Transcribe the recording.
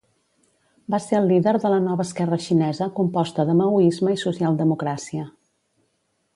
Va ser el líder de la Nova esquerra xinesa composta de maoisme i socialdemocràcia.